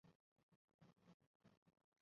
监生出身。